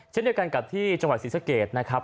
เช่นเดียวกันกับที่จังหวัดศรีสะเกดนะครับ